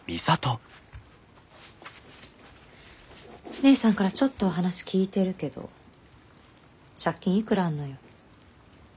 姉さんからちょっとは話聞いてるけど借金いくらあんのよ？